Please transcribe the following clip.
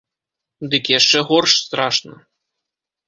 Дык яшчэ горш страшна.